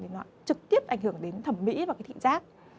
nó trực tiếp ảnh hưởng đến thẩm mỹ và thị giác